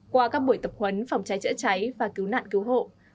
qua các buổi tập huấn phòng cháy chữa cháy và cứu nạn cứu hộ